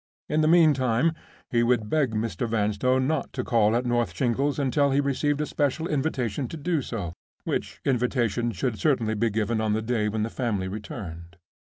In the meantime he would beg Mr. Vanstone not to call at North Shingles until he received a special invitation to do so—which invitation should certainly be given on the day when the family returned.